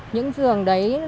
những trường đấy